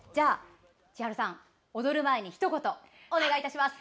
千晴さん、踊る前にひと言お願いいたします。